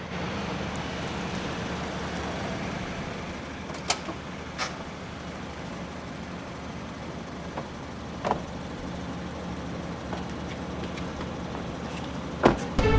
tiru biar semua ya omong yurban